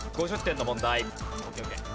５０点の問題。